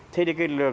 thế thì cái lực lượng